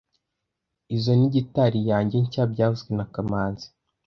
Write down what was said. Izoi ni gitari yanjye nshya byavuzwe na kamanzi